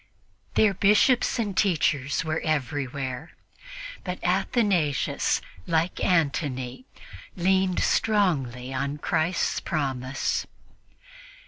Their Bishops and teachers were everywhere; but Athanasius, like Antony, leaned strongly on Christ's promise.